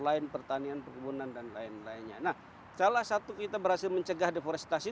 lain pertanian perkebunan dan lain lainnya nah salah satu kita berhasil mencegah deforestasi